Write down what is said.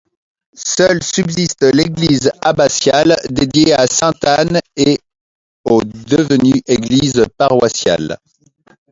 Seule subsiste l'église abbatiale, dédiée à sainte Anne au et devenue église paroissiale.